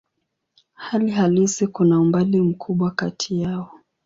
Hali halisi kuna umbali mkubwa kati yao.